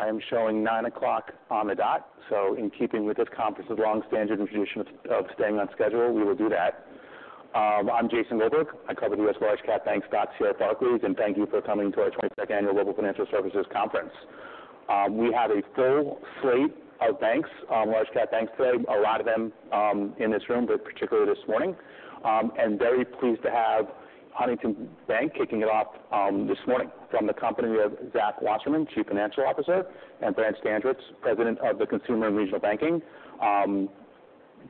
I am showing 9:00 A.M. on the dot, so in keeping with this conference's long standard tradition of staying on schedule, we will do that. I'm Jason Goldberg. I cover U.S. Large Cap banks here at Barclays, and thank you for coming to our 22nd Annual Global Financial Services Conference. We have a full slate of banks, large cap banks today, a lot of them in this room, but particularly this morning, and very pleased to have Huntington Bank kicking it off this morning. From the company, we have Zach Wasserman, Chief Financial Officer, and Brant Standridge, President of the Consumer and Regional Banking.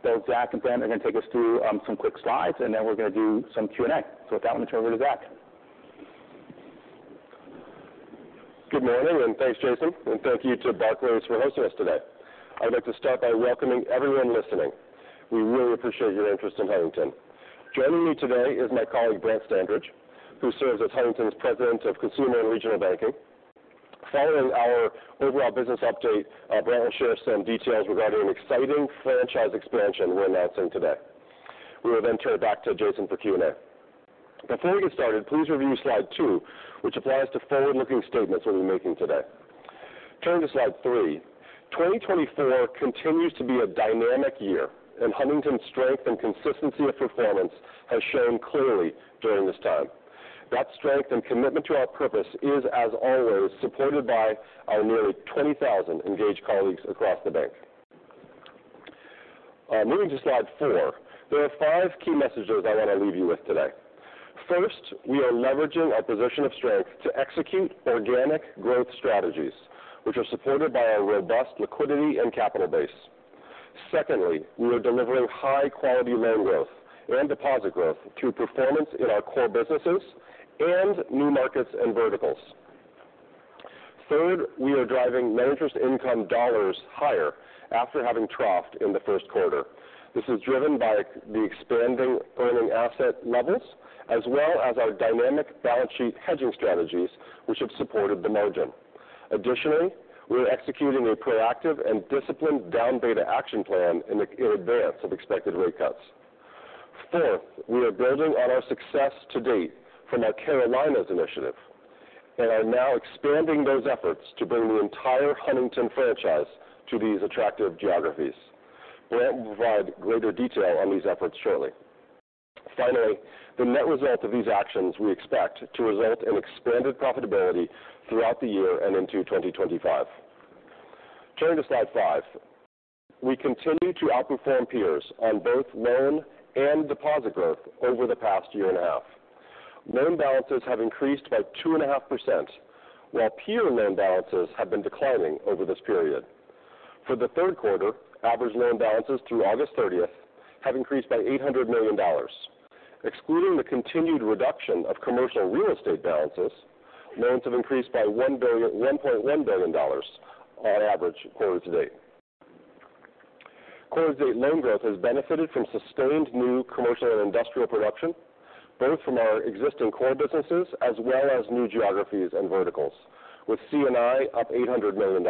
Both Zach and Brant are gonna take us through some quick slides, and then we're gonna do some Q&A. So with that, let me turn it over to Zach. Good morning, and thanks, Jason, and thank you to Barclays for hosting us today. I'd like to start by welcoming everyone listening. We really appreciate your interest in Huntington. Joining me today is my colleague, Brant Standridge, who serves as Huntington's President of Consumer and Regional Banking. Following our overall business update, Brant will share some details regarding an exciting franchise expansion we're announcing today. We will then turn it back to Jason for Q&A. Before we get started, please review slide two, which applies to forward-looking statements we'll be making today. Turning to slide three. 2024 continues to be a dynamic year, and Huntington's strength and consistency of performance has shown clearly during this time. That strength and commitment to our purpose is, as always, supported by our nearly twenty thousand engaged colleagues across the bank. Moving to slide four, there are five key messages I want to leave you with today. First, we are leveraging our position of strength to execute organic growth strategies, which are supported by our robust liquidity and capital base. Secondly, we are delivering high-quality loan growth and deposit growth through performance in our core businesses and new markets and verticals. Third, we are driving net interest income dollars higher after having troughed in the first quarter. This is driven by the expanding earning asset levels, as well as our dynamic balance sheet hedging strategies, which have supported the margin. Additionally, we're executing a proactive and disciplined down beta action plan in advance of expected rate cuts. Fourth, we are building on our success to date from our Carolinas initiative and are now expanding those efforts to bring the entire Huntington franchise to these attractive geographies. Brant will provide greater detail on these efforts shortly. Finally, the net result of these actions, we expect to result in expanded profitability throughout the year and into 2025. Turning to slide 5. We continue to outperform peers on both loan and deposit growth over the past year and a half. Loan balances have increased by 2.5%, while peer loan balances have been declining over this period. For the third quarter, average loan balances through August 30th have increased by $800 million. Excluding the continued reduction of commercial real estate balances, loans have increased by $1 billion, $1.1 billion on average quarter to date. Quarter to date loan growth has benefited from sustained new commercial and industrial production, both from our existing core businesses as well as new geographies and verticals, with C&I up $800 million.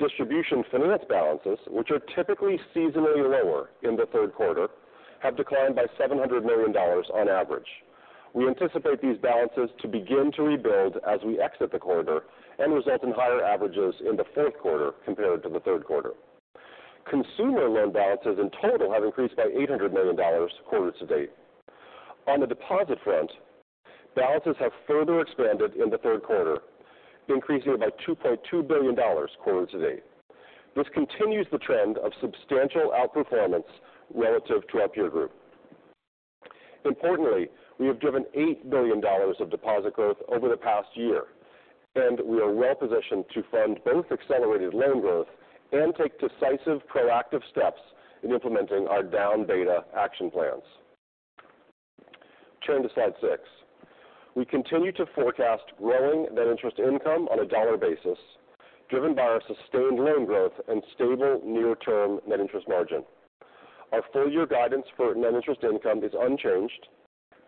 Distribution finance balances, which are typically seasonally lower in the third quarter, have declined by $700 million on average. We anticipate these balances to begin to rebuild as we exit the quarter and result in higher averages in the fourth quarter compared to the third quarter. Consumer loan balances in total have increased by $800 million quarter to date. On the deposit front, balances have further expanded in the third quarter, increasing by $2.2 billion quarter to date. This continues the trend of substantial outperformance relative to our peer group. Importantly, we have driven $8 billion of deposit growth over the past year, and we are well positioned to fund both accelerated loan growth and take decisive, proactive steps in implementing our down beta action plans. Turning to slide six. We continue to forecast growing net interest income on a dollar basis, driven by our sustained loan growth and stable near-term net interest margin. Our full year guidance for net interest income is unchanged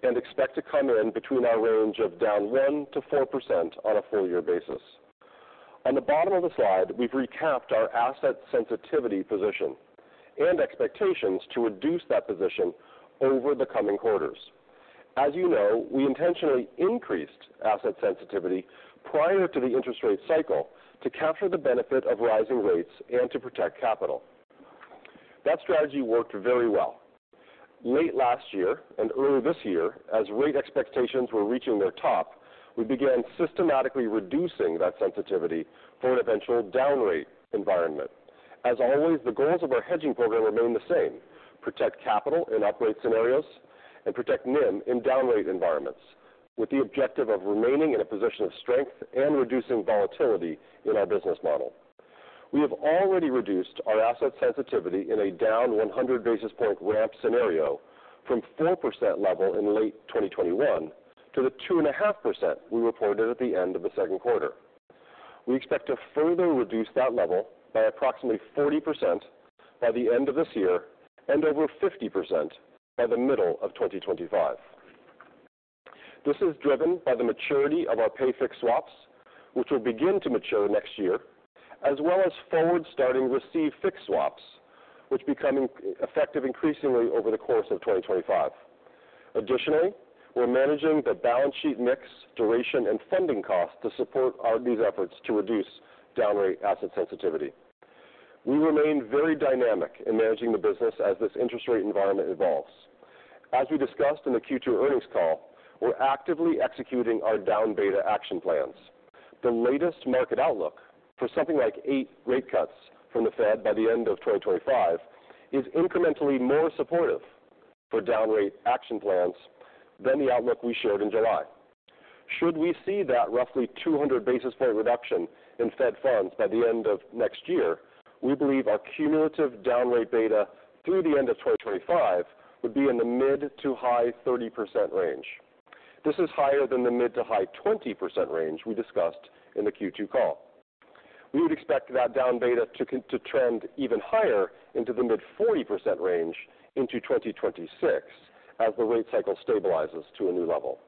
and expect to come in between our range of down 1%-4% on a full year basis. On the bottom of the slide, we've recapped our asset sensitivity position and expectations to reduce that position over the coming quarters. As you know, we intentionally increased asset sensitivity prior to the interest rate cycle to capture the benefit of rising rates and to protect capital. That strategy worked very well. Late last year and early this year, as rate expectations were reaching their top, we began systematically reducing that sensitivity for an eventual down rate environment. As always, the goals of our hedging program remain the same: protect capital in uprate scenarios and protect NIM in down rate environments, with the objective of remaining in a position of strength and reducing volatility in our business model. We have already reduced our asset sensitivity in a down 100 basis point ramp scenario from 4% level in late 2021 to the 2.5% we reported at the end of the second quarter. We expect to further reduce that level by approximately 40% by the end of this year and over 50% by the middle of 2025. This is driven by the maturity of our pay-fixed swaps, which will begin to mature next year, as well as forward-starting receive-fixed swaps, which become effective increasingly over the course of 2025. Additionally, we're managing the balance sheet mix, duration, and funding costs to support these efforts to reduce down rate asset sensitivity. We remain very dynamic in managing the business as this interest rate environment evolves. As we discussed in the Q2 earnings call, we're actively executing our down beta action plans. The latest market outlook for something like eight rate cuts from the Fed by the end of 2025 is incrementally more supportive for down rate action plans than the outlook we shared in July. Should we see that roughly 200 basis points reduction in Fed funds by the end of next year, we believe our cumulative down rate beta through the end of 2025 would be in the mid- to high-30% range. This is higher than the mid- to high-20% range we discussed in the Q2 call. We would expect that down beta to trend even higher into the mid-40% range into twenty twenty-six, as the rate cycle stabilizes to a new level.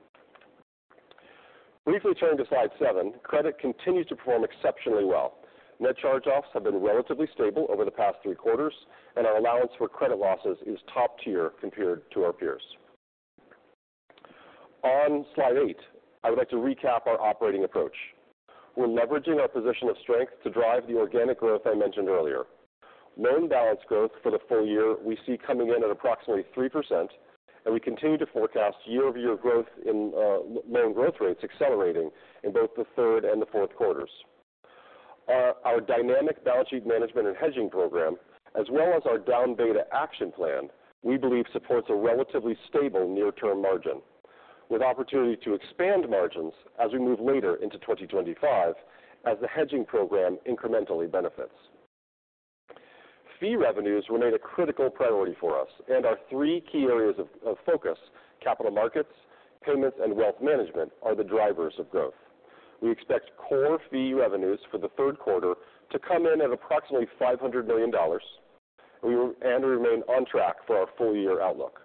Briefly turning to slide seven, credit continues to perform exceptionally well. Net charge-offs have been relatively stable over the past three quarters, and our allowance for credit losses is top tier compared to our peers. On slide eight, I would like to recap our operating approach. We're leveraging our position of strength to drive the organic growth I mentioned earlier. Loan balance growth for the full year, we see coming in at approximately 3%, and we continue to forecast year-over-year growth in loan growth rates accelerating in both the third and the fourth quarters. Our dynamic balance sheet management and hedging program, as well as our down beta action plan, we believe supports a relatively stable near-term margin, with opportunity to expand margins as we move later into 2025 as the hedging program incrementally benefits. Fee revenues remain a critical priority for us, and our three key areas of focus, capital markets, payments, and wealth management, are the drivers of growth. We expect core fee revenues for the third quarter to come in at approximately $500 million, and we remain on track for our full year outlook.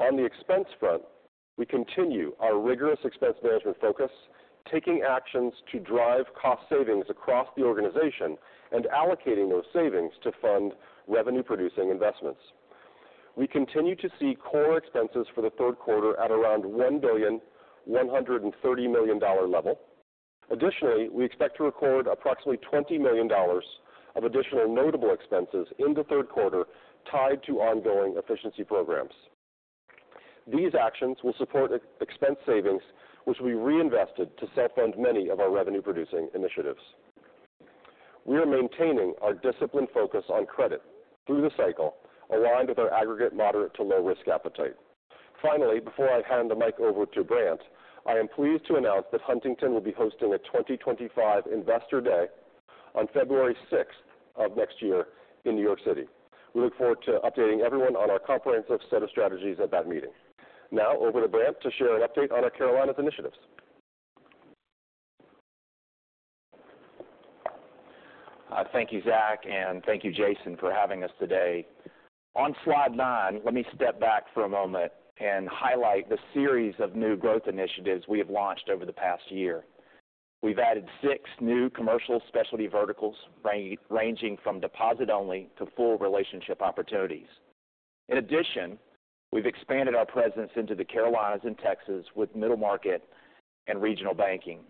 On the expense front, we continue our rigorous expense management focus, taking actions to drive cost savings across the organization and allocating those savings to fund revenue-producing investments. We continue to see core expenses for the third quarter at around $1.13 billion dollar level. Additionally, we expect to record approximately $20 million of additional notable expenses in the third quarter tied to ongoing efficiency programs. These actions will support expense savings, which we reinvested to self-fund many of our revenue-producing initiatives. We are maintaining our disciplined focus on credit through the cycle, aligned with our aggregate moderate to low risk appetite. Finally, before I hand the mic over to Brant, I am pleased to announce that Huntington will be hosting a 2025 Investor Day on February 6th of next year in New York City. We look forward to updating everyone on our comprehensive set of strategies at that meeting. Now over to Brant to share an update on our Carolinas initiatives. Thank you, Zach, and thank you, Jason, for having us today. On slide nine, let me step back for a moment and highlight the series of new growth initiatives we have launched over the past year. We've added six new commercial specialty verticals ranging from deposit only to full relationship opportunities. In addition, we've expanded our presence into the Carolinas and Texas with middle market and regional banking.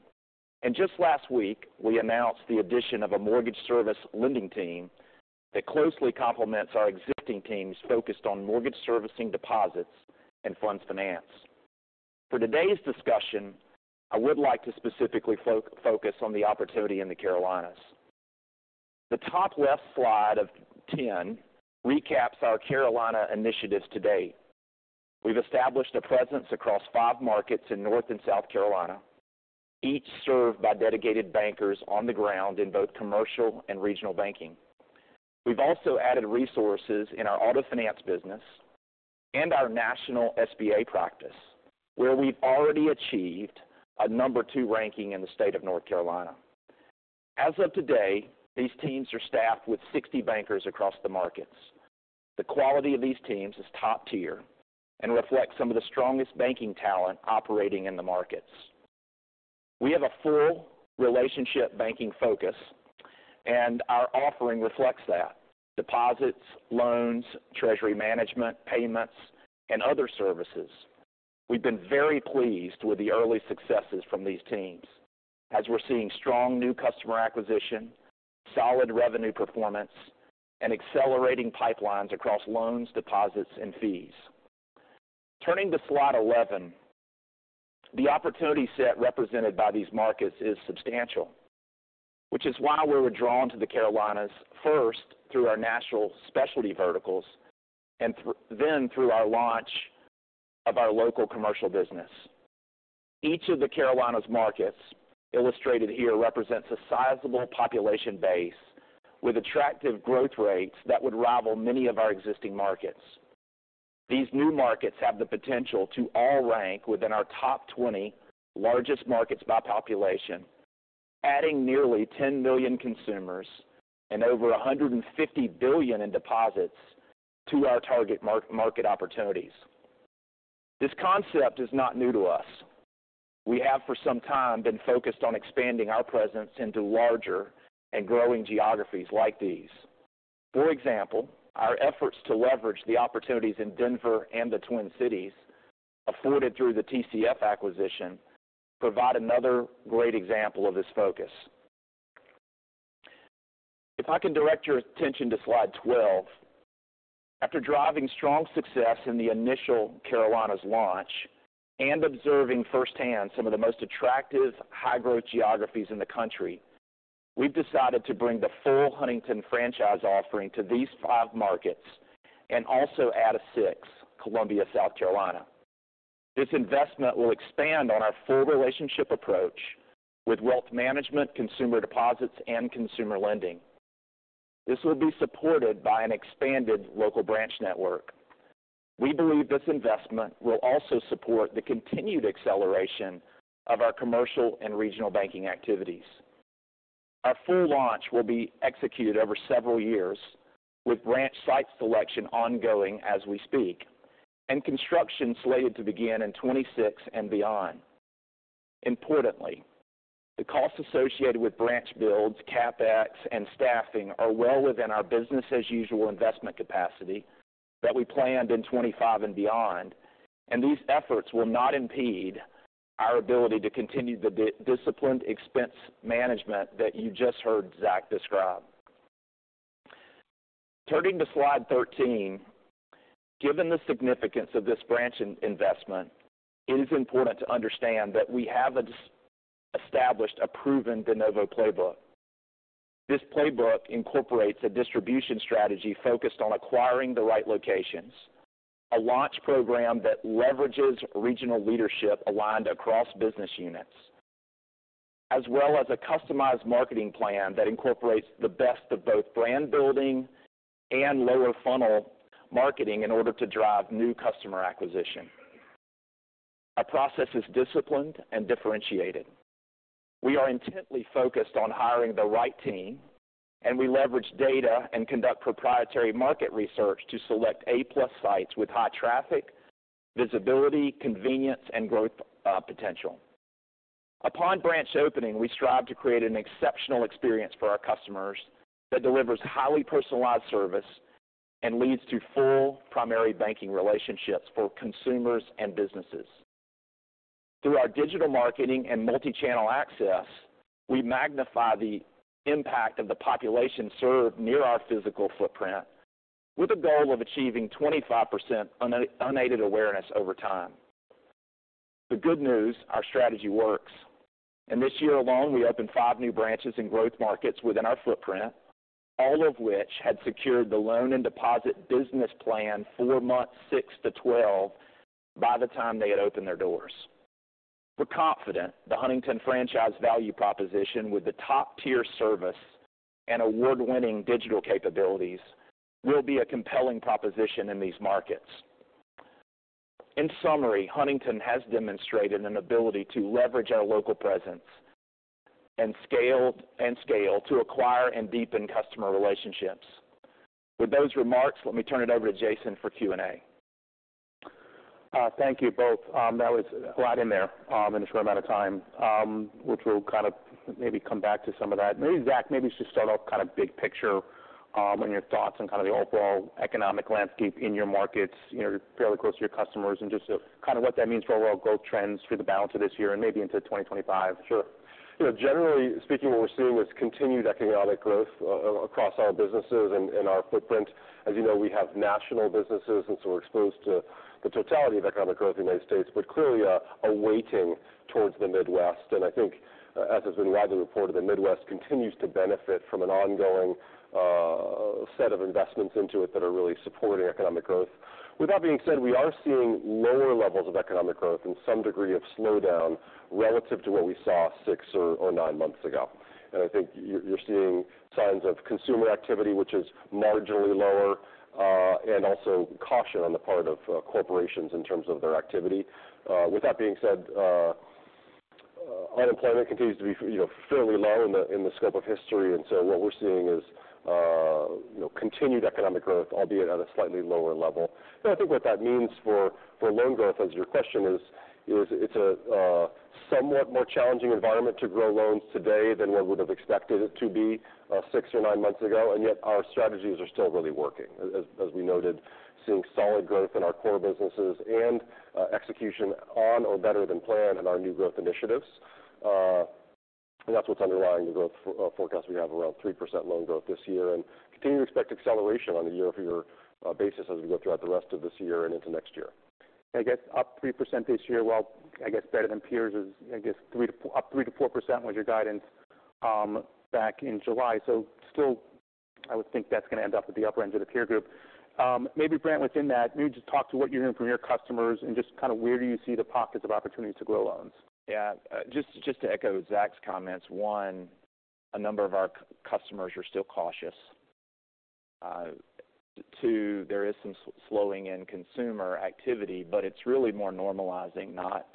And just last week, we announced the addition of a mortgage service lending team that closely complements our existing teams focused on mortgage servicing deposits and funds finance. For today's discussion, I would like to specifically focus on the opportunity in the Carolinas. The top left slide of ten recaps our Carolina initiatives to date. We've established a presence across five markets in North and South Carolina, each served by dedicated bankers on the ground in both commercial and regional banking. We've also added resources in our auto finance business and our national SBA practice, where we've already achieved a number two ranking in the state of North Carolina. As of today, these teams are staffed with 60 bankers across the markets. The quality of these teams is top tier and reflects some of the strongest banking talent operating in the markets. We have a full relationship banking focus, and our offering reflects that: deposits, loans, treasury management, payments, and other services. We've been very pleased with the early successes from these teams as we're seeing strong new customer acquisition, solid revenue performance, and accelerating pipelines across loans, deposits, and fees. Turning to slide 11, the opportunity set represented by these markets is substantial, which is why we were drawn to the Carolinas first through our national specialty verticals, and then through our launch of our local commercial business. Each of the Carolinas markets illustrated here represents a sizable population base with attractive growth rates that would rival many of our existing markets. These new markets have the potential to all rank within our top 20 largest markets by population, adding nearly 10 million consumers and over $150 billion in deposits to our target market opportunities. This concept is not new to us... We have for some time been focused on expanding our presence into larger and growing geographies like these. For example, our efforts to leverage the opportunities in Denver and the Twin Cities, afforded through the TCF acquisition, provide another great example of this focus. If I can direct your attention to slide 12. After driving strong success in the initial Carolinas launch and observing firsthand some of the most attractive high-growth geographies in the country, we've decided to bring the full Huntington franchise offering to these five markets and also add a sixth, Columbia, South Carolina. This investment will expand on our full relationship approach with wealth management, consumer deposits, and consumer lending. This will be supported by an expanded local branch network. We believe this investment will also support the continued acceleration of our commercial and regional banking activities. Our full launch will be executed over several years, with branch site selection ongoing as we speak, and construction slated to begin in 2026 and beyond. Importantly, the costs associated with branch builds, CapEx, and staffing are well within our business-as-usual investment capacity that we planned in 2025 and beyond, and these efforts will not impede our ability to continue the disciplined expense management that you just heard Zach describe. Turning to slide 13, given the significance of this branch investment, it is important to understand that we have established a proven de novo playbook. This playbook incorporates a distribution strategy focused on acquiring the right locations, a launch program that leverages regional leadership aligned across business units, as well as a customized marketing plan that incorporates the best of both brand building and lower funnel marketing in order to drive new customer acquisition. Our process is disciplined and differentiated. We are intently focused on hiring the right team, and we leverage data and conduct proprietary market research to select A-plus sites with high traffic, visibility, convenience, and growth potential. Upon branch opening, we strive to create an exceptional experience for our customers that delivers highly personalized service and leads to full primary banking relationships for consumers and businesses. Through our digital marketing and multi-channel access, we magnify the impact of the population served near our physical footprint, with a goal of achieving 25% unaided awareness over time. The good news, our strategy works, and this year alone, we opened five new branches in growth markets within our footprint, all of which had secured the loan and deposit business plan for months six to 12 by the time they had opened their doors. We're confident the Huntington franchise value proposition with the top-tier service and award-winning digital capabilities will be a compelling proposition in these markets. In summary, Huntington has demonstrated an ability to leverage our local presence and scale to acquire and deepen customer relationships. With those remarks, let me turn it over to Jason for Q&A. Thank you both. That was a lot in there, in a short amount of time, which we'll kind of maybe come back to some of that. Maybe, Zach, maybe just start off kind of big picture, on your thoughts on kind of the overall economic landscape in your markets. You know, you're fairly close to your customers, and just kind of what that means for overall growth trends through the balance of this year and maybe into 2025. Sure. You know, generally speaking, what we're seeing is continued economic growth across all businesses and our footprint. As you know, we have national businesses, and so we're exposed to the totality of economic growth in the United States, but clearly a weighting towards the Midwest. And I think, as has been widely reported, the Midwest continues to benefit from an ongoing set of investments into it that are really supporting economic growth. With that being said, we are seeing lower levels of economic growth and some degree of slowdown relative to what we saw six or nine months ago. And I think you're seeing signs of consumer activity, which is marginally lower, and also caution on the part of corporations in terms of their activity. With that being said, unemployment continues to be, you know, fairly low in the scope of history, and so what we're seeing is, you know, continued economic growth, albeit at a slightly lower level. And I think what that means for loan growth, as your question is, is it's a somewhat more challenging environment to grow loans today than one would have expected it to be six or nine months ago, and yet our strategies are still really working. As we noted, seeing solid growth in our core businesses and execution on or better than planned in our new growth initiatives. And that's what's underlying the growth for forecast. We have around 3% loan growth this year and continue to expect acceleration on a year-over-year basis as we go throughout the rest of this year and into next year. I guess up 3% this year, while I guess better than peers is. Up 3%-4% was your guidance back in July. So still, I would think that's going to end up at the upper end of the peer group. Maybe, Brant, within that, maybe just talk to what you're hearing from your customers and just kind of where do you see the pockets of opportunity to grow loans? Yeah. Just to echo Zach's comments, one, a number of our customers are still cautious. Two, there is some slowing in consumer activity, but it's really more normalizing, not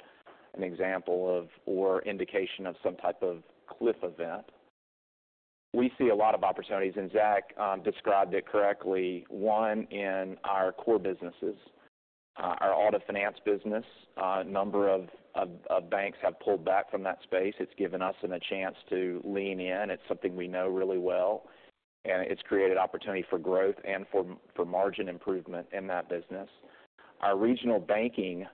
an example of or indication of some type of cliff event. We see a lot of opportunities, and Zach described it correctly. One, in our core businesses, our auto finance business. A number of banks have pulled back from that space. It's given us a chance to lean in. It's something we know really well, and it's created opportunity for growth and for margin improvement in that business. Our regional banking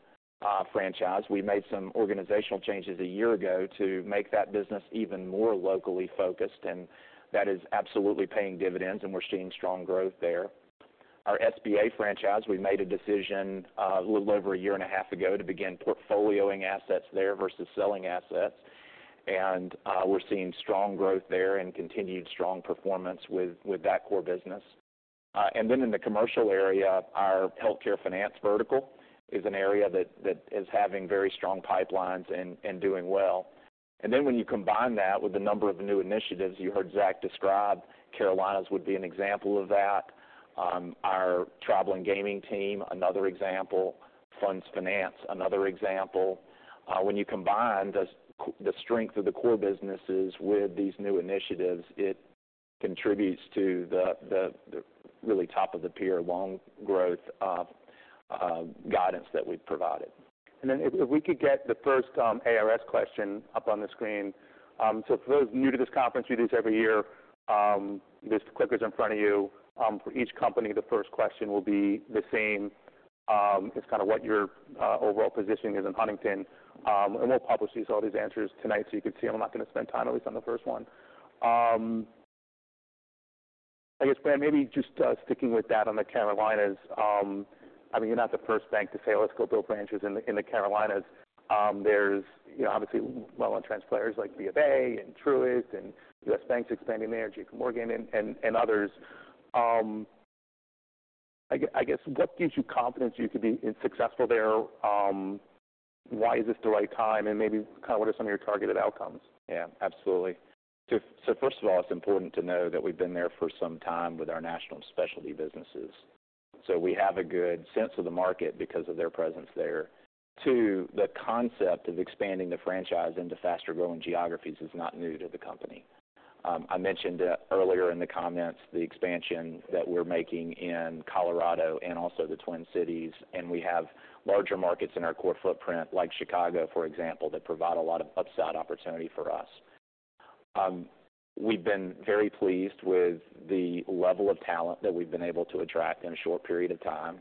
franchise, we made some organizational changes a year ago to make that business even more locally focused, and that is absolutely paying dividends, and we're seeing strong growth there. Our SBA franchise, we made a decision a little over a year and a half ago to begin portfolioing assets there versus selling assets, and we're seeing strong growth there and continued strong performance with that core business. And then in the commercial area, our healthcare finance vertical is an area that is having very strong pipelines and doing well. And then when you combine that with the number of new initiatives you heard Zach describe, Carolinas would be an example of that. Our travel and gaming team, another example. Funds finance, another example. When you combine the strength of the core businesses with these new initiatives, it contributes to the really top-of-the-peer loan growth of guidance that we've provided. And then if we could get the first ARS question up on the screen. So for those new to this conference, we do this every year. This clicker's in front of you. For each company, the first question will be the same. It's kind of what your overall positioning is in Huntington. And we'll publish these, all these answers tonight, so you can see them. I'm not going to spend time, at least on the first one. I guess, Brant, maybe just sticking with that on the Carolinas. I mean, you're not the first bank to say, "Let's go build branches in the Carolinas." There's, you know, obviously well-established players like B of A and Truist and U.S. Bank expanding there, JPMorgan and others. I guess, what gives you confidence you could be successful there? Why is this the right time? And maybe kind of what are some of your targeted outcomes? Yeah, absolutely. So first of all, it's important to know that we've been there for some time with our national specialty businesses. So we have a good sense of the market because of their presence there. Two, the concept of expanding the franchise into faster-growing geographies is not new to the company. I mentioned earlier in the comments, the expansion that we're making in Colorado and also the Twin Cities, and we have larger markets in our core footprint, like Chicago, for example, that provide a lot of upside opportunity for us. We've been very pleased with the level of talent that we've been able to attract in a short period of time.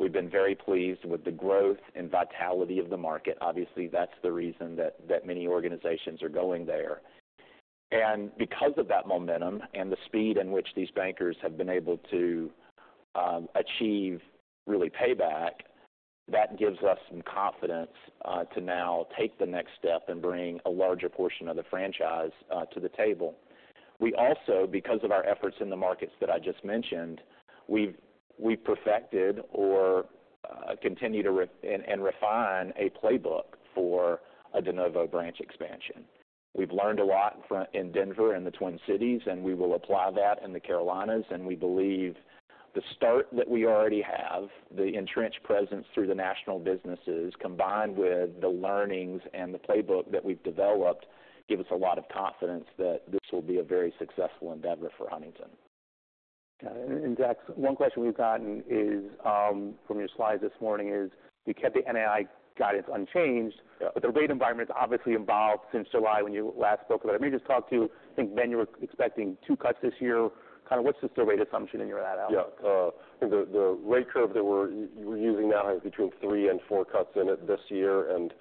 We've been very pleased with the growth and vitality of the market. Obviously, that's the reason that many organizations are going there. And because of that momentum and the speed in which these bankers have been able to achieve really payback, that gives us some confidence to now take the next step and bring a larger portion of the franchise to the table. We also, because of our efforts in the markets that I just mentioned, we've perfected or continue to refine a playbook for a de novo branch expansion. We've learned a lot from in Denver and the Twin Cities, and we will apply that in the Carolinas, and we believe the start that we already have, the entrenched presence through the national businesses, combined with the learnings and the playbook that we've developed, give us a lot of confidence that this will be a very successful endeavor for Huntington. Got it. And Zach, one question we've gotten is, from your slides this morning is, you kept the NII guidance unchanged-but the rate environment's obviously evolved since July, when you last spoke about it. Let me just talk to, I think, then, you were expecting two cuts this year. Kind of, what's still the rate assumption in your handout? Yeah, I think the rate curve that we're using now has between three and four cuts in it this year, and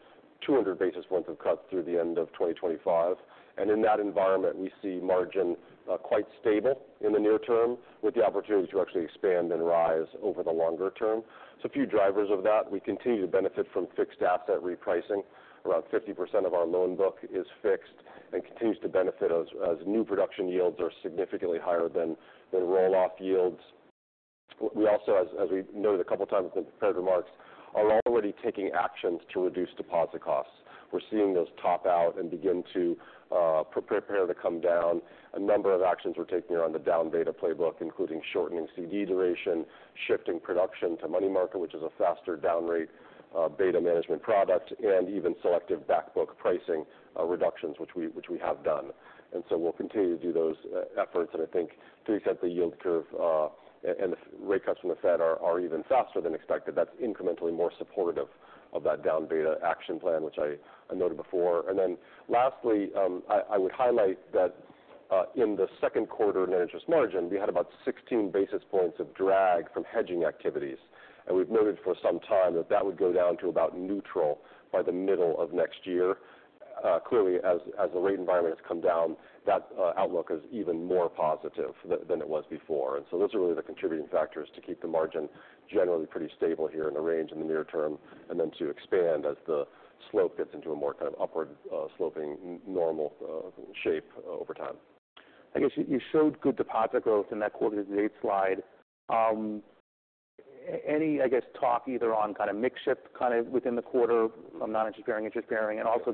200 basis points of cuts through the end of 2025. In that environment, we see margin quite stable in the near term, with the opportunity to actually expand and rise over the longer term. A few drivers of that, we continue to benefit from fixed asset repricing. Around 50% of our loan book is fixed and continues to benefit as new production yields are significantly higher than roll-off yields. We also, as we noted a couple of times in the prepared remarks, are already taking actions to reduce deposit costs. We're seeing those top out and begin to prepare to come down. A number of actions we're taking around the down beta playbook, including shortening CD duration, shifting production to money market, which is a faster down rate, beta management product, and even selective back book pricing, reductions, which we have done. And so we'll continue to do those efforts, and I think to the extent the yield curve and the rate cuts from the Fed are even faster than expected, that's incrementally more supportive of that down beta action plan, which I noted before. Then lastly, I would highlight that in the second quarter net interest margin, we had about 16 basis points of drag from hedging activities. We've noted for some time that that would go down to about neutral by the middle of next year. Clearly, as the rate environment has come down, that outlook is even more positive than it was before. And so those are really the contributing factors to keep the margin generally pretty stable here in the range in the near term, and then to expand as the slope gets into a more kind of upward sloping normal shape over time. I guess you showed good deposit growth in that quarter to date slide. Any, I guess, talk either on kind of mix shift, kind of within the quarter of non-interest bearing, interest bearing, and also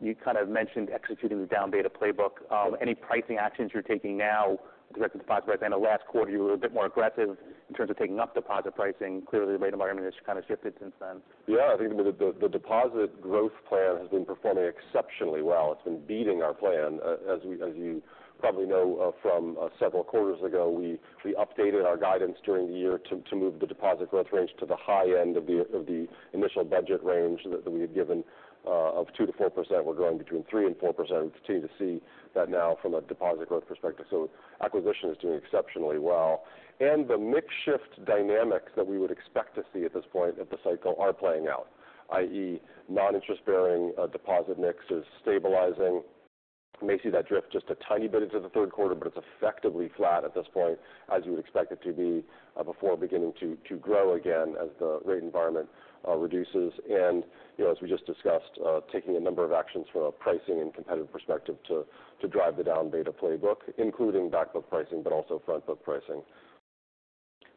you kind of mentioned executing the down beta playbook. Any pricing actions you're taking now directed to deposit? I know last quarter you were a bit more aggressive in terms of taking up deposit pricing. Clearly, the rate environment has kind of shifted since then. Yeah, I think the deposit growth plan has been performing exceptionally well. It's been beating our plan. As you probably know from several quarters ago, we updated our guidance during the year to move the deposit growth range to the high end of the initial budget range that we had given of 2%-4%. We're growing between 3% and 4%, and we continue to see that now from a deposit growth perspective. So acquisition is doing exceptionally well. And the mix shift dynamics that we would expect to see at this point of the cycle are playing out, i.e., non-interest-bearing deposit mix is stabilizing. May see that drift just a tiny bit into the third quarter, but it's effectively flat at this point, as you would expect it to be, before beginning to grow again as the rate environment reduces. And, you know, as we just discussed, taking a number of actions from a pricing and competitive perspective to drive the down beta playbook, including back book pricing, but also front book pricing.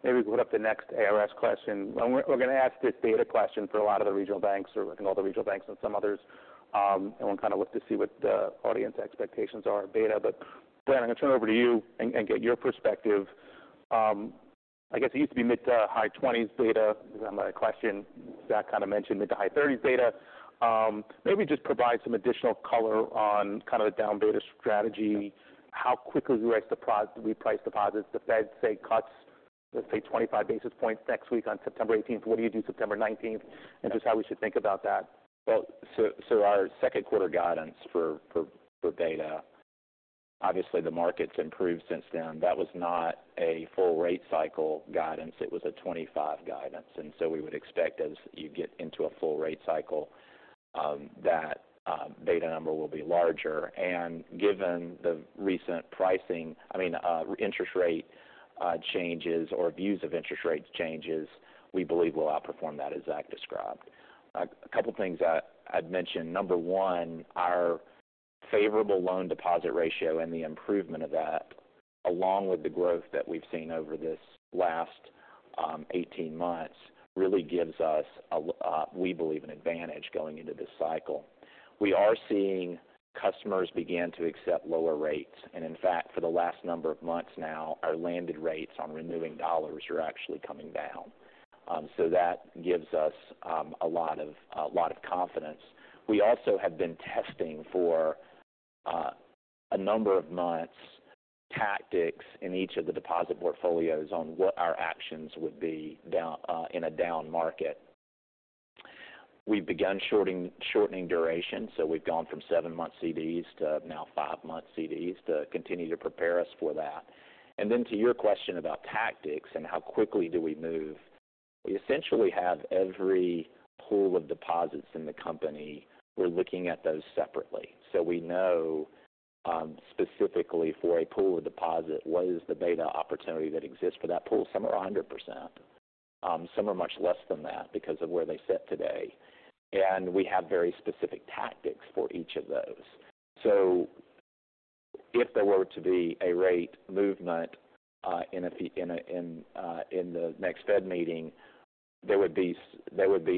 Maybe we'll put up the next ARS question, and we're going to ask this beta question for a lot of the regional banks, or all the regional banks and some others, and we'll kind of look to see what the audience expectations are of beta. But Brant, I'm going to turn it over to you and get your perspective. I guess it used to be mid to high twenties beta. My question, Zach kind of mentioned mid to high thirties beta. Maybe just provide some additional color on kind of the down beta strategy. How quickly do we price deposits? The Fed, say, cuts, let's say, 25 basis points next week on September 18th. What do you do September 19th, and just how we should think about that? Our second quarter guidance for beta, obviously the market's improved since then. That was not a full rate cycle guidance. It was a twenty-five guidance. We would expect as you get into a full rate cycle, that beta number will be larger. Given the recent pricing, I mean, interest rate changes or views of interest rate changes, we believe we'll outperform that, as Zach described. A couple things I'd mention. Number one, our favorable loan deposit ratio and the improvement of that, along with the growth that we've seen over this last 18 months, really gives us, we believe, an advantage going into this cycle. We are seeing customers begin to accept lower rates, and in fact, for the last number of months now, our landed rates on renewing dollars are actually coming down. So that gives us a lot of confidence. We also have been testing for a number of months, tactics in each of the deposit portfolios on what our actions would be down in a down market. We've begun shortening duration, so we've gone from seven-month CDs to now five-month CDs to continue to prepare us for that. And then to your question about tactics and how quickly do we move, we essentially have every pool of deposits in the company, we're looking at those separately. So we know, specifically for a pool of deposit, what is the beta opportunity that exists for that pool? Some are 100%, some are much less than that because of where they sit today, and we have very specific tactics for each of those, so if there were to be a rate movement in the next Fed meeting, there would be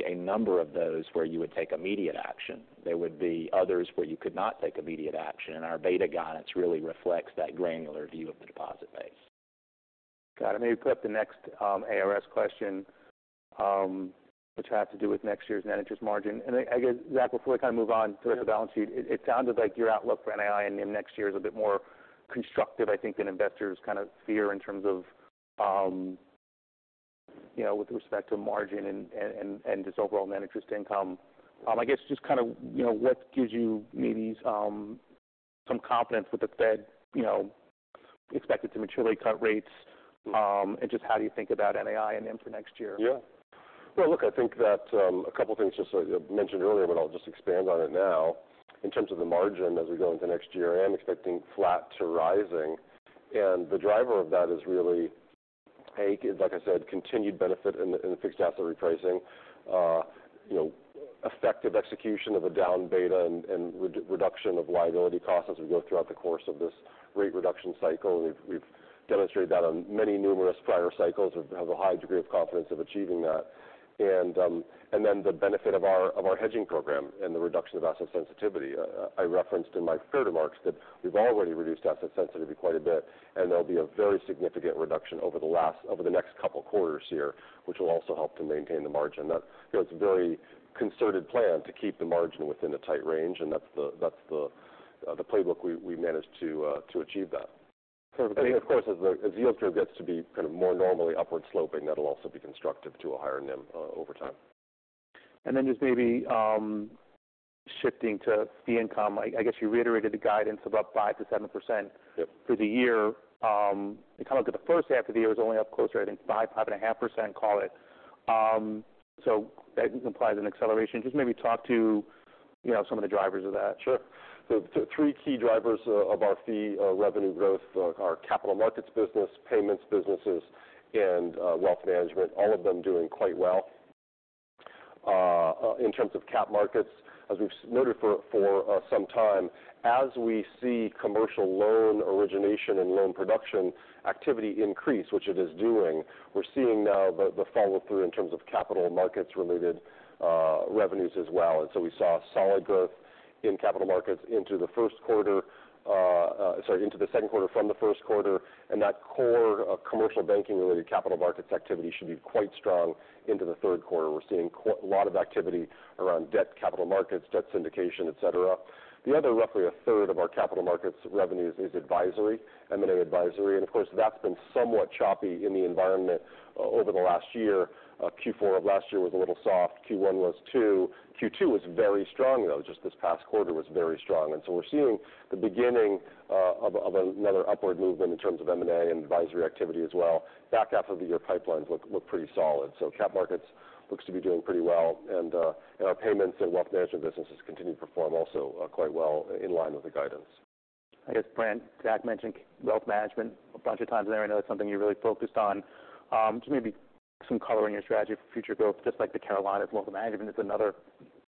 a number of those where you would take immediate action. There would be others where you could not take immediate action, and our beta guidance really reflects that granular view of the deposit base. Got it. Maybe put up the next, ARS question, which has to do with next year's net interest margin. I guess, Zach, before we kind of move on to the balance sheet, it sounded like your outlook for NII in next year is a bit more constructive, I think, than investors kind of fear in terms of, you know, with respect to margin and just overall net interest income. I guess just kind of, you know, what gives you maybe, some confidence with the Fed, you know, expected to materially cut rates, and just how do you think about NII and NIM for next year? Yeah. Well, look, I think that a couple things just so I mentioned earlier, but I'll just expand on it now. In terms of the margin as we go into next year, I am expecting flat to rising, and the driver of that is really, A, like I said, continued benefit in the fixed asset repricing. You know, effective execution of a down beta and reduction of liability costs as we go throughout the course of this rate reduction cycle. We've demonstrated that on many numerous prior cycles. We have a high degree of confidence of achieving that. And, and then the benefit of our hedging program and the reduction of asset sensitivity. I referenced in my third remarks that we've already reduced asset sensitivity quite a bit, and there'll be a very significant reduction over the next couple quarters here, which will also help to maintain the margin. That, you know, it's a very concerted plan to keep the margin within a tight range, and that's the playbook we managed to achieve that. And of course, as the yield curve gets to be kind of more normally upward sloping, that'll also be constructive to a higher NIM over time. And then just maybe, shifting to fee income. I guess you reiterated the guidance of up 5%-7%. Yep. For the year. You kind of look at the first half of the year is only up closer, I think, 5.5%, call it, so that implies an acceleration. Just maybe talk to, you know, some of the drivers of that. Sure. So the three key drivers of our fee revenue growth are our capital markets business, payments businesses, and wealth management, all of them doing quite well. In terms of cap markets, as we've noted for some time, as we see commercial loan origination and loan production activity increase, which it is doing, we're seeing now the follow-through in terms of capital markets related revenues as well, and so we saw solid growth in capital markets into the second quarter from the first quarter, and that core of commercial banking-related capital markets activity should be quite strong into the third quarter. We're seeing quite a lot of activity around debt capital markets, debt syndication, et cetera. The other, roughly a third of our capital markets revenues is advisory, M&A advisory, and of course, that's been somewhat choppy in the environment over the last year. Q4 of last year was a little soft. Q1 was, too. Q2 was very strong, though, just this past quarter was very strong. And so we're seeing the beginning of another upward movement in terms of M&A and advisory activity as well. Back half of the year pipelines look pretty solid. So cap markets looks to be doing pretty well, and our payments and wealth management businesses continue to perform also, quite well in line with the guidance. I guess, Brant, Zach mentioned wealth management a bunch of times there. I know it's something you really focused on. Just maybe some color in your strategy for future growth, just like the Carolinas Wealth Management is another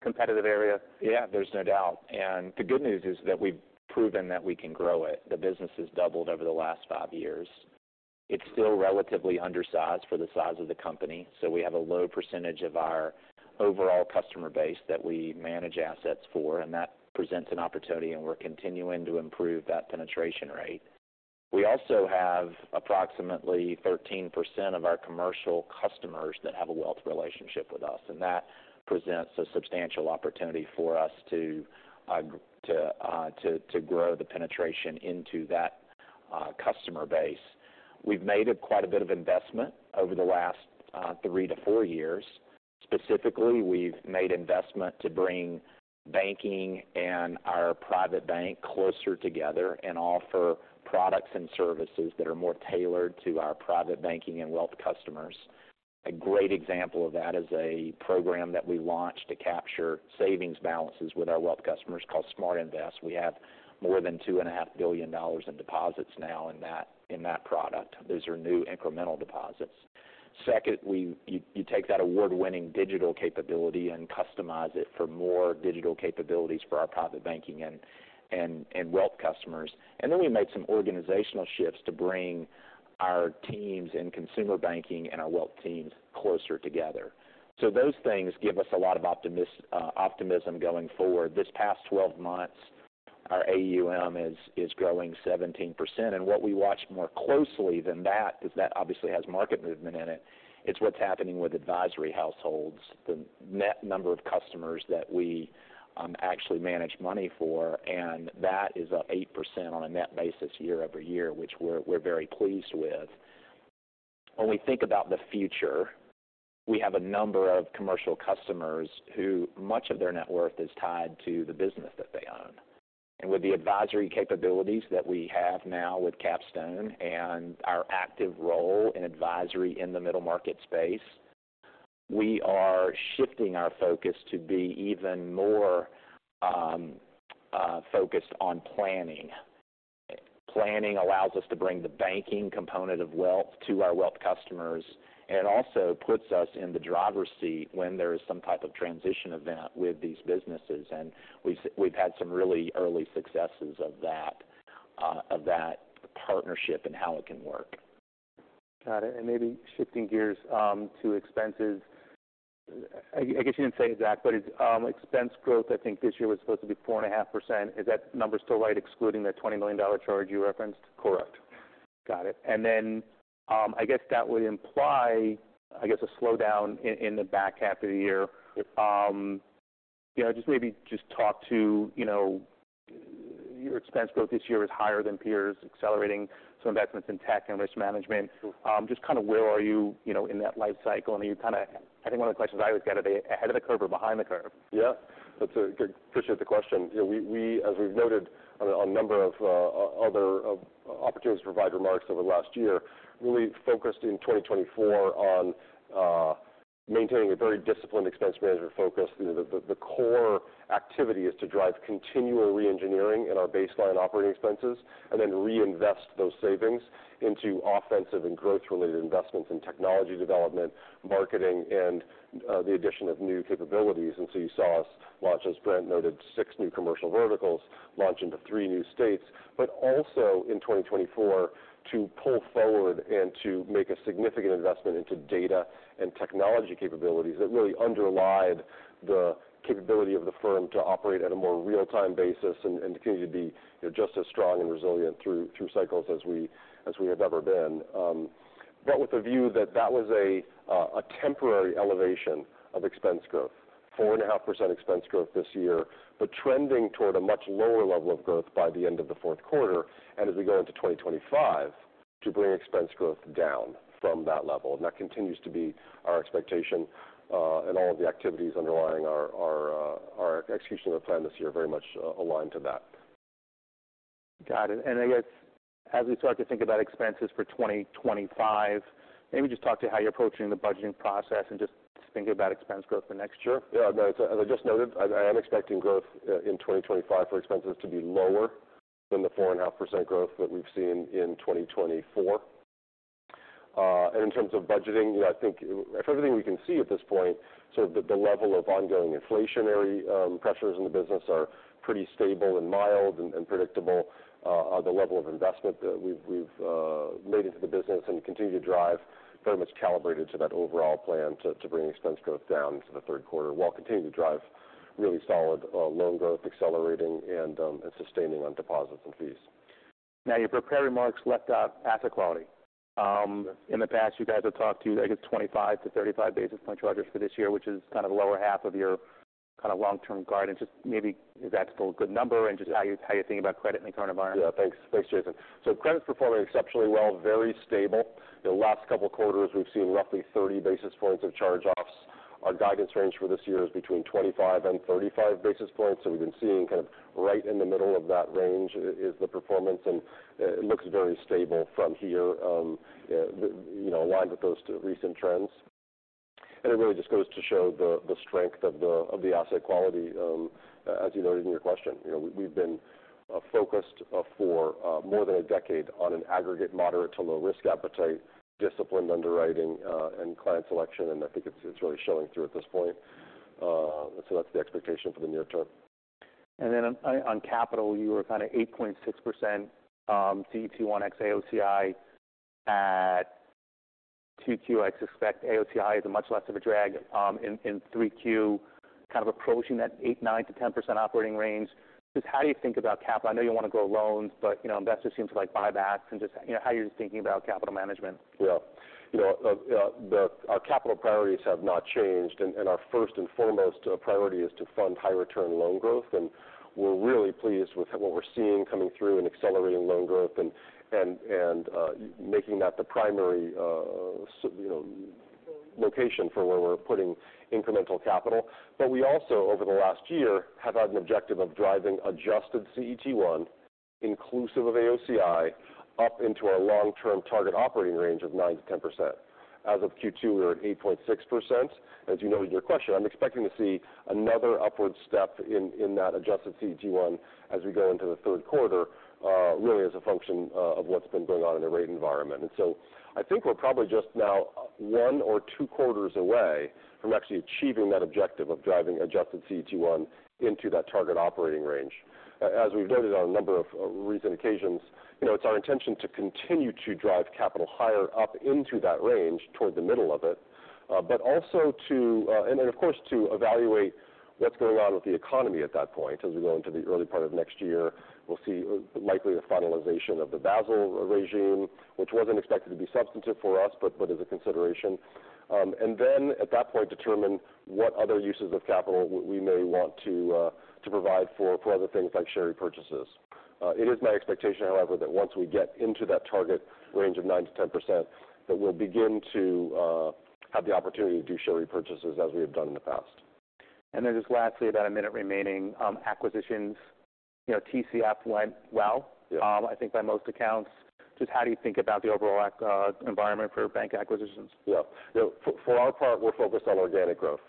competitive area. Yeah, there's no doubt, and the good news is that we've proven that we can grow it. The business has doubled over the last five years. It's still relatively undersized for the size of the company, so we have a low percentage of our overall customer base that we manage assets for, and that presents an opportunity, and we're continuing to improve that penetration rate. We also have approximately 13% of our commercial customers that have a wealth relationship with us, and that presents a substantial opportunity for us to grow the penetration into that customer base. We've made quite a bit of investment over the last three to four years. Specifically, we've made investment to bring banking and our private bank closer together and offer products and services that are more tailored to our private banking and wealth customers. A great example of that is a program that we launched to capture savings balances with our wealth customers called SmartInvest. We have more than $2.5 billion in deposits now in that product. Those are new incremental deposits. Second, you take that award-winning digital capability and customize it for more digital capabilities for our private banking and wealth customers. And then we made some organizational shifts to bring our teams in consumer banking and our wealth teams closer together, so those things give us a lot of optimism going forward. This past 12 months, our AUM is growing 17%, and what we watch more closely than that, because that obviously has market movement in it, it's what's happening with advisory households, the net number of customers that we actually manage money for, and that is up 8% on a net basis year over year, which we're very pleased with. When we think about the future, we have a number of commercial customers who much of their net worth is tied to the business that they own, and with the advisory capabilities that we have now with Capstone and our active role in advisory in the middle market space, we are shifting our focus to be even more focused on planning. Planning allows us to bring the banking component of wealth to our wealth customers, and also puts us in the driver's seat when there is some type of transition event with these businesses, and we've had some really early successes of that partnership and how it can work. Got it. And maybe shifting gears to expenses. I, I guess you didn't say, Zach, but it's expense growth, I think this year was supposed to be 4.5%. Is that number still right, excluding the $20 million charge you referenced? Correct. Got it. And then, I guess that would imply, I guess, a slowdown in the back half of the year. Yeah, just maybe talk to, you know, your expense growth this year is higher than peers, accelerating some investments in tech and risk management. Just kind of where are you, you know, in that life cycle? And are you kind of- I think one of the questions I always get, are they ahead of the curve or behind the curve? Yeah, that's a good question. Appreciate the question. You know, we as we've noted on a number of other opportunities to provide remarks over the last year really focused in 2024 on maintaining a very disciplined expense management focus. You know, the core activity is to drive continual reengineering in our baseline operating expenses and then reinvest those savings into offensive and growth-related investments in technology development, marketing, and the addition of new capabilities, and so you saw us launch, as Brant noted, six new commercial verticals, launch into three new states. But also in 2024, to pull forward and to make a significant investment into data and technology capabilities that really underlie the capability of the firm to operate at a more real-time basis and continue to be, you know, just as strong and resilient through cycles as we have ever been. But with the view that that was a temporary elevation of expense growth. 4.5% expense growth this year, but trending toward a much lower level of growth by the end of the fourth quarter, and as we go into 2025, to bring expense growth down from that level. And that continues to be our expectation, and all of the activities underlying our execution of the plan this year are very much aligned to that. Got it. And I guess, as we start to think about expenses for 2025, maybe just talk to how you're approaching the budgeting process and just thinking about expense growth for next year. Yeah, no, as I just noted, I am expecting growth in 2025 for expenses to be lower than the 4.5% growth that we've seen in 2024. And in terms of budgeting, yeah, I think for everything we can see at this point, so the level of ongoing inflationary pressures in the business are pretty stable and mild and predictable. The level of investment that we've made into the business and continue to drive, very much calibrated to that overall plan to bring expense growth down to the third quarter, while continuing to drive really solid loan growth, accelerating and sustaining on deposits and fees. Now, your prepared remarks left out asset quality. In the past, you guys have talked to, I guess, 25-35 basis point charges for this year, which is kind of the lower half of your kind of long-term guidance. Just maybe, is that still a good number? And just how you, how you're thinking about credit in the current environment. Yeah, thanks. Thanks, Jason. So credit is performing exceptionally well, very stable. The last couple quarters, we've seen roughly thirty basis points of charge-offs. Our guidance range for this year is between 25 and 35 basis points, so we've been seeing kind of right in the middle of that range is the performance, and it looks very stable from here, you know, aligned with those two recent trends. And it really just goes to show the strength of the asset quality. As you noted in your question, you know, we've been focused for more than a decade on an aggregate moderate to low risk appetite, disciplined underwriting, and client selection, and I think it's really showing through at this point. So that's the expectation for the near term. And then on capital, you were kind of 8.6%, CET1 AOCI at 2Q. I suspect AOCI is a much less of a drag in 3Q, kind of approaching that 8-10% operating range. Just how do you think about capital? I know you wanna grow loans, but, you know, investors seem to like buybacks and just, you know, how you're thinking about capital management. Yeah. You know, our capital priorities have not changed, and our first and foremost priority is to fund high return loan growth, and we're really pleased with what we're seeing coming through in accelerating loan growth and making that the primary, you know, location for where we're putting incremental capital. But we also, over the last year, have had an objective of driving adjusted CET1, inclusive of AOCI, up into our long-term target operating range of 9%-10%. As of Q2, we were at 8.6%. As you noted in your question, I'm expecting to see another upward step in that adjusted CET1 as we go into the third quarter, really as a function of what's been going on in the rate environment. And so I think we're probably just now one or two quarters away from actually achieving that objective of driving adjusted CET1 into that target operating range. As we've noted on a number of recent occasions, you know, it's our intention to continue to drive capital higher up into that range, toward the middle of it, but also, of course, to evaluate what's going on with the economy at that point. As we go into the early part of next year, we'll see likely the finalization of the Basel regime, which wasn't expected to be substantive for us, but is a consideration and then at that point determine what other uses of capital we may want to provide for other things like share repurchases. It is my expectation, however, that once we get into that target range of 9%-10%, that we'll begin to have the opportunity to do share repurchases as we have done in the past. And then just lastly, about a minute remaining, acquisitions. You know, TCF went well- I think by most accounts. Just how do you think about the overall environment for bank acquisitions? Yeah. You know, for our part, we're focused on organic growth.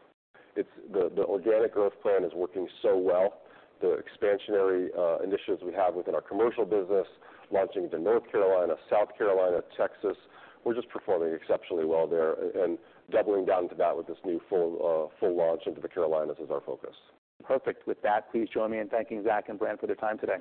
It's the organic growth plan is working so well. The expansionary initiatives we have within our commercial business, launching to North Carolina, South Carolina, Texas, we're just performing exceptionally well there, and doubling down into that with this new full launch into the Carolinas is our focus. Perfect. With that, please join me in thanking Zach and Brant for their time today.